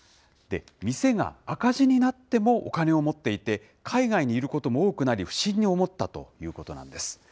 店が赤字になっても、お金を持っていて、海外にいることも多くなり、不審に思ったということなんです。